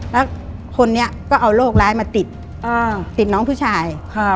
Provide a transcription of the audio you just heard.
แล้วคนนี้ก็เอาโรคร้ายมาติดติดน้องผู้ชาย